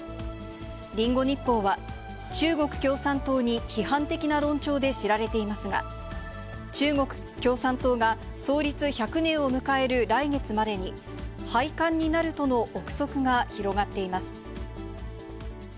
リンゴ日報は中国共産党に批判的な論調で知られていますが、中国共産党が創立１００年を迎える来月までに、廃刊になるとの臆測が広がっています。